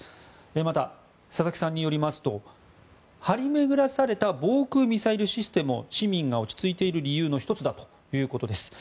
また、佐々木さんによりますと張り巡らされた防空ミサイルシステムも市民が落ち着いている理由の１つだということです。